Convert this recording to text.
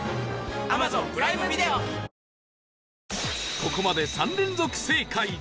ここまで３連続正解